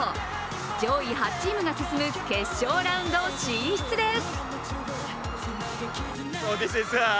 上位８チームが進む決勝ラウンド進出です。